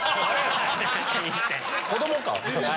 子供か！